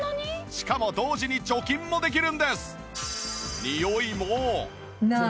しかも同時に除菌もできるんです